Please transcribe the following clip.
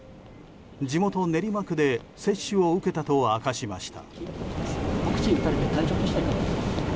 地元・練馬区で接種を受けたと明かしました。